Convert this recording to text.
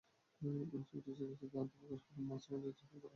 এই ছবিটি চলচ্চিত্রে আত্মপ্রকাশ করেন মাসুম আজিজের পুত্র উৎস জামান।